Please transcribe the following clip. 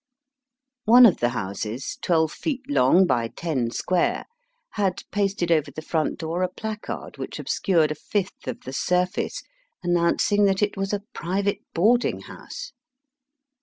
One of the houses, twelve feet long by ten square, had pasted over the front door a placard which obscured a fifth of the surface, announcing that it was a Private Boarding House."